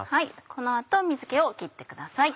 この後水気をきってください。